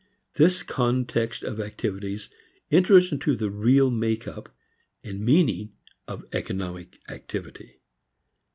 This context of activities enters into the real make up and meaning of economic activity.